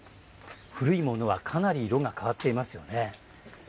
古いものはかなり色が変わっていますよね。